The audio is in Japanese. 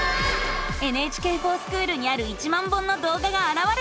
「ＮＨＫｆｏｒＳｃｈｏｏｌ」にある１万本のどうががあらわれたよ。